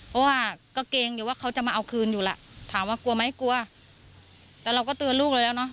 เพราะว่าก็เกรงอยู่ว่าเขาจะมาเอาคืนอยู่ล่ะถามว่ากลัวไหมกลัวแต่เราก็เตือนลูกเราแล้วเนอะ